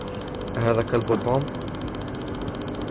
أهذا كلب توم ؟